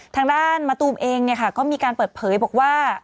ทางด้านมะตูมเองก็มีการเปิดเผยบอกว่า